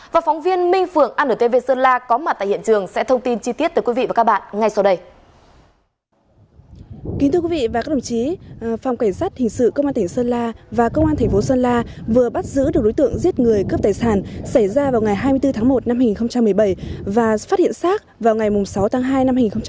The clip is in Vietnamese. và phóng viên minh phượng antv sơn la có mặt tại hiện trường sẽ thông tin chi tiết tới quý vị và các bạn ngay sau đây